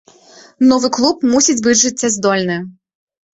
Новы клуб мусіць быць жыццяздольны.